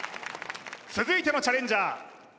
続いてのチャレンジャー